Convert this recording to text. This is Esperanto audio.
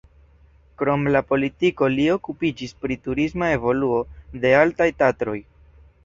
Krom la politiko li okupiĝis pri turisma evoluo de Altaj Tatroj.